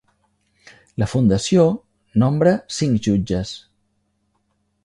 La fundació nombra cinc jutges.